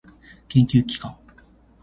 研究機関